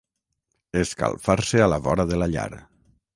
Escalfar-se a la vora de la llar.